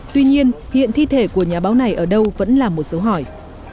tuy nhiên hiện thi thể của nhà báo này ở đâu vẫn là một số hỏi